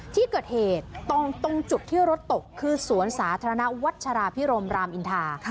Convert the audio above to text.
ที่เกิดเหตุตรงจุดที่รถตกคือสวนสาธารณะวัชราพิรมรามอินทา